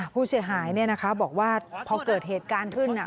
ผู้เสียหายเนี่ยนะคะบอกว่าพอเกิดเหตุการณ์ขึ้นอ่ะ